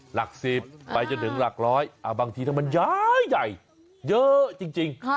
หลัก๑๐ไปจนถึงหลัก๑๐๐บางทีมันย้ายเยอะจริง